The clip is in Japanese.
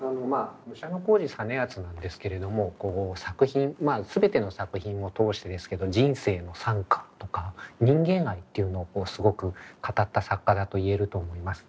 武者小路実篤なんですけれども作品全ての作品を通してですけど人生の賛歌とか人間愛っていうのをすごく語った作家だと言えると思います。